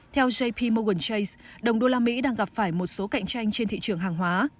theo jpmorgan chase đồng đô la mỹ đang gặp phải một số cạnh tranh trên thị trường hàng hóa